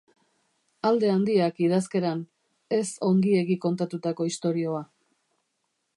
Alde handiak idazkeran, ez ongiegi kontatutako istorioa.